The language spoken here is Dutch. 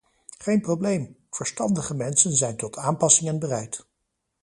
Geen probleem: verstandige mensen zijn tot aanpassingen bereid.